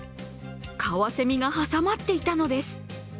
かわせみが挟まっていたのです。